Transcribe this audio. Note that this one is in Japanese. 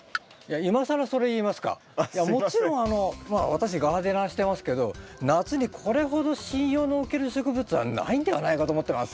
私ガーデナーしてますけど夏にこれほど信用のおける植物はないんではないかと思ってます。